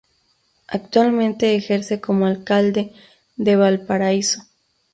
Actualmente ejerce como alcalde de Valparaíso.